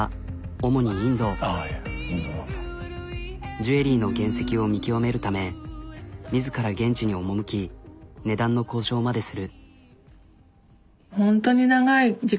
ジュエリーの原石を見極めるため自ら現地に赴き値段の交渉までする。